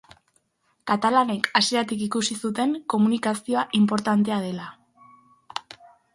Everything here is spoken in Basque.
Katalanek hasieratik ikusi zuten komunikazioa inportantea dela.